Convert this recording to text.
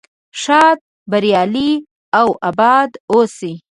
ښاد بریالي او اباد اوسئ.